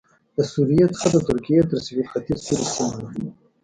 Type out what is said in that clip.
له سوریې څخه د ترکیې تر سوېل ختیځ پورې سیمه ده